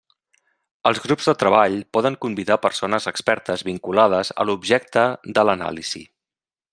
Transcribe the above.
Els grups de treball poden convidar persones expertes vinculades a l'objecte de l'anàlisi.